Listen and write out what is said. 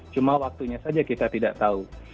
cuma waktunya saja kita tidak tahu